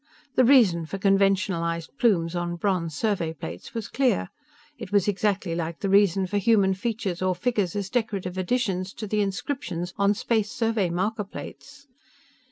The reason for conventionalized plumes on bronze survey plates was clear. It was exactly like the reason for human features or figures as decorative additions to the inscriptions on Space Survey marker plates.